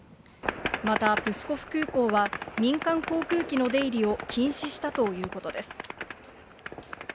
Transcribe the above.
またプスコフ空港は、民間航空機の出入りを禁止したということです。